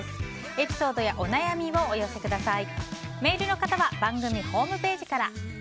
エピソードやお悩みをお寄せください。